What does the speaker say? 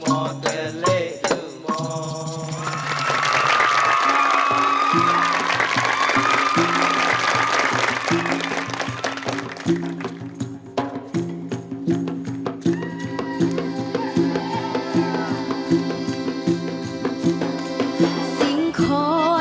ฮรีรายโยแท่เดิมบินแบบสาอิงหาดูหมอ